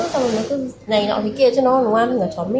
xong rồi nó cứ này nọ cái kia cho nó ăn như là chó mèo